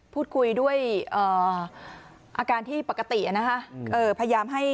พูดคุยด้วยอาการที่ปกตินะคะพยายามให้